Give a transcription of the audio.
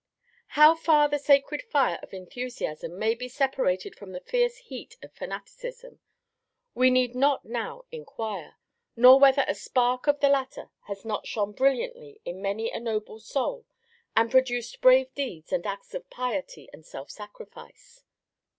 How far the sacred fire of enthusiasm may be separated from the fierce heat of fanaticism we need not now inquire, nor whether a spark of the latter has not shone brilliantly in many a noble soul and produced brave deeds and acts of piety and self sacrifice.